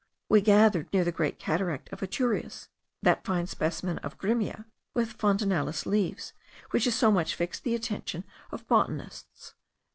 We gathered, near the Great Cataract of Atures, that fine specimen of Grimmia* with fontinalis leaves, which has so much fixed the attention of botanists.